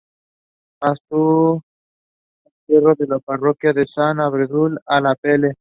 A su entierro en la Parroquia de Sant Andreu, a la Pl.